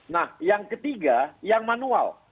nah yang ketiga yang manual